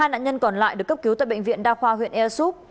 hai nạn nhân còn lại được cấp cứu tại bệnh viện đa khoa huyện air soup